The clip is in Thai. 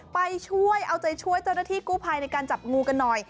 ไปช่วยเอาใจช่วยเจ้าหน้าที่กู้ภัยในการจับงูกันหน่อย